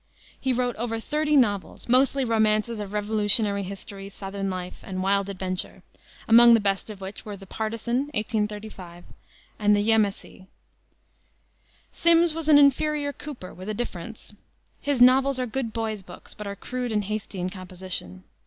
He wrote over thirty novels, mostly romances of Revolutionary history, southern life and wild adventure, among the best of which were the Partisan, 1835, and the Yemassee. Simms was an inferior Cooper, with a difference. His novels are good boys' books, but are crude and hasty in composition.